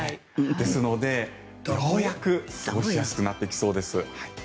ですので、ようやく過ごしやすくなってきそうです。